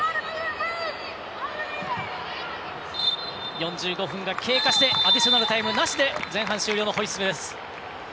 ４５分が経過してアディショナルタイムなしで前半終了のホイッスルです。